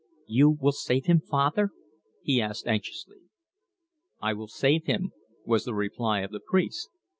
You will save him, father?" he asked anxiously. "I will save him," was the reply of the priest.